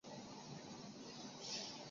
还以为是公车